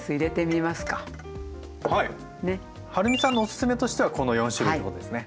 はるみさんのおすすめとしてはこの４種類ってことですね。